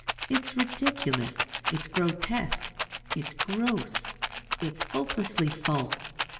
It's ridiculous, it's grotesque, it's gross, it's hopelessly false.